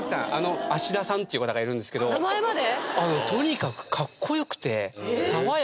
名前まで？